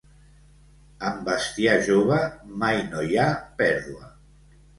Amb bestiar jove mai no hi ha pèrdua.